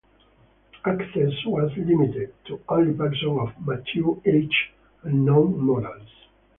Access was limited to only persons of "mature age and known morals".